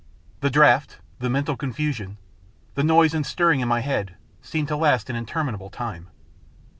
The draught, the mental con fusion, the noise and stirring in my head, seemed to last an interminable time.